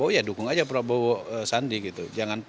oh ya dukung aja prabowo sandi gitu